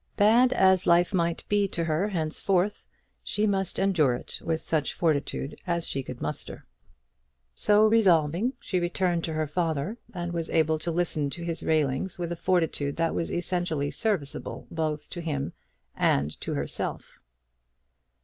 Bad as life might be to her henceforth, she must endure it with such fortitude as she could muster. So resolving she returned to her father, and was able to listen to his railings with a fortitude that was essentially serviceable both to him and to herself.